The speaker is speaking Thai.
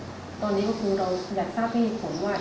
ตอนนี้ก็คือเราอยากทราบให้เหตุผลว่า